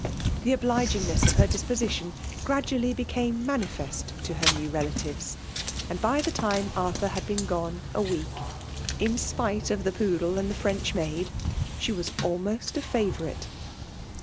The obligingness of her disposition gradually became manifesi to her new relatives ; and by the time Arthur ineafALS DoumATioK. 255 bid been gone a week, in spite of the poodle and the French niaid> she was almost a & Tonrite.